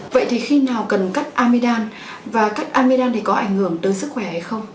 vậy thì khi nào cần cắt amidam và cắt amidam thì có ảnh hưởng tới sức khỏe hay không